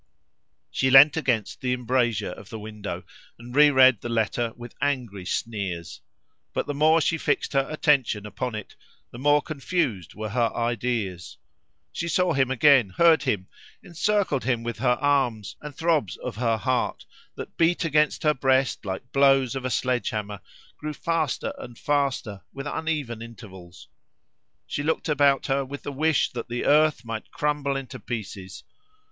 She leant against the embrasure of the window, and reread the letter with angry sneers. But the more she fixed her attention upon it, the more confused were her ideas. She saw him again, heard him, encircled him with her arms, and throbs of her heart, that beat against her breast like blows of a sledge hammer, grew faster and faster, with uneven intervals. She looked about her with the wish that the earth might crumble into pieces.